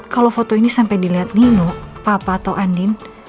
kalau foto ini sampai dilihat nino papa atau andin